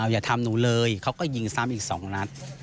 อย่าทำหนูเลยเขาก็ยิงซ้ำอีก๒นัด